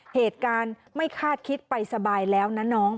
เหตุการณ์ไม่คาดคิดไปสบายแล้วนะน้อง